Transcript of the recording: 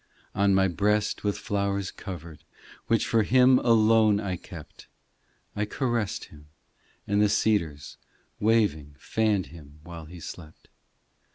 On my breast with flowers covered, Which for Him alone I kept, I caressed Him ; and the cedars Waving fanned Him while He slept.